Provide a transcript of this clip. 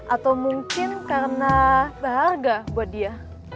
atau mungkin karena berharga buat dia